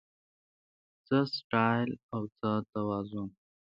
څه سټایل او څه توازن